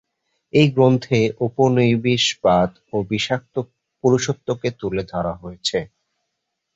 এই গ্রন্থে উপনিবেশবাদ ও বিষাক্ত পুরুষত্বকে তুলে ধরা হয়েছে।